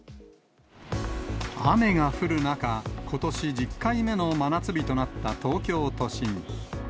雨が降る中、ことし１０回目の真夏日となった東京都心。